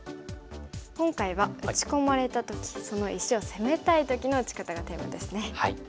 今回は打ち込まれた時その石を攻めたい時の打ち方がテーマですね。